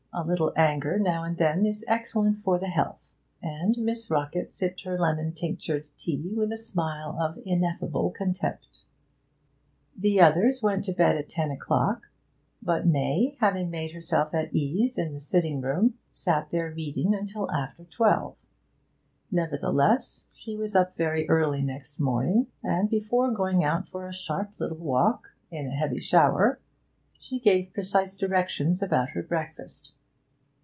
A little anger now and then is excellent for the health.' And Miss Rockett sipped her lemon tinctured tea with a smile of ineffable contempt. The others went to bed at ten o'clock, but May, having made herself at ease in the sitting room, sat there reading until after twelve. Nevertheless, she was up very early next morning, and, before going out for a sharp little walk (in a heavy shower), she gave precise directions about her breakfast.